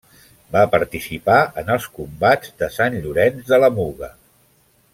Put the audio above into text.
Va participar en els combats de Sant Llorenç de la Muga.